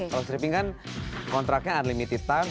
kalau stripping kan kontraknya unlimited time